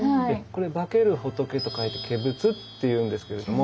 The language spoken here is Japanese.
これ化ける仏と書いて「化仏」って言うんですけれども。